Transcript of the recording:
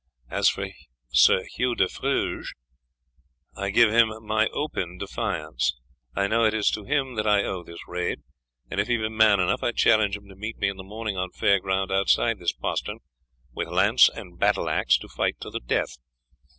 As for Sir Hugh de Fruges, I give him my open defiance. I know it is to him that I owe this raid; and if he be man enough, I challenge him to meet me in the morning on fair ground outside this postern, with lance and battle axe, to fight to the death.